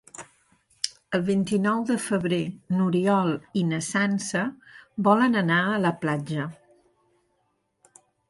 El vint-i-nou de febrer n'Oriol i na Sança volen anar a la platja.